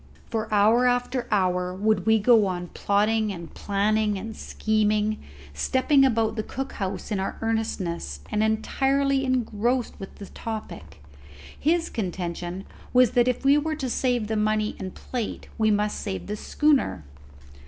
For hour after hour would we go on plotting and planning and scheming, stepping about the cook house in our earnestness, and entirely engrossed with the topic. His contention was that if we were to save the money and plate, we must save the schooner.